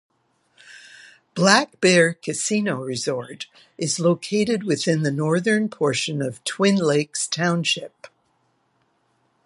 Black Bear Casino Resort is located within the northern portion of Twin Lakes Township.